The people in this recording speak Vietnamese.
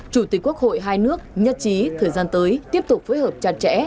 chủ tịch quốc hội hai nước nhất trí thời gian tới tiếp tục phối hợp chặt chẽ